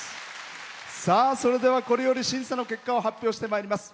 それでは、これより審査の結果を発表してまいります。